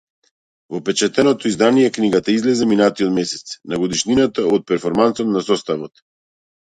Во печатено издание книгата излезе минатиот месец, на годишнината од перформансот на составот.